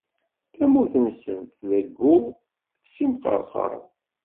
Tamurt-nsen tleɣɣu s imqerqar.